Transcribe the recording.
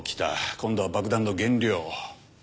今度は爆弾の原料。